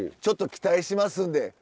ちょっと期待しますんで。